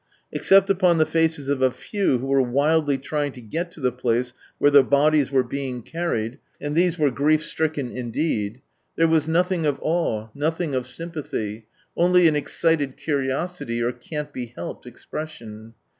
Except upon the faces of a few who were wildly trying to get to the place where the bodies were being carried^and these were grief stricken indeed — there was nothing of awe, nothing of sympathy, only an ex cited curiosity or " can't be heljied " expression.